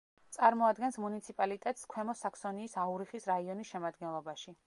წარმოადგენს მუნიციპალიტეტს ქვემო საქსონიის აურიხის რაიონის შემადგენლობაში.